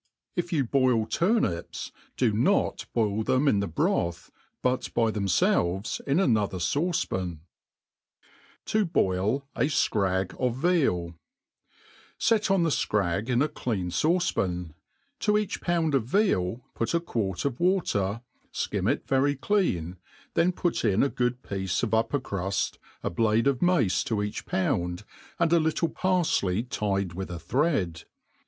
If you boit turnips^ do not boil them in the brotbj^ but by themfelvts in another &ttce pa»* 7i boil a Sctag of VmU SET on the fcrag in a clean fauce pan : to eaelb pound of veaf ^ut a quart of water^ fkrm it very clean^ then put in a good ^iece of upper cruft^ a blade of mace to each pound, and a little parfiey tied with a thread.